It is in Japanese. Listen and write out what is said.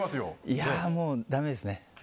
いやぁ、もうだめですね。